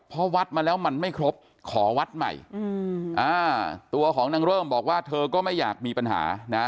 พอวัดมาแล้วมันไม่ครบขอวัดใหม่ตัวของนางเริ่มบอกว่าเธอก็ไม่อยากมีปัญหานะ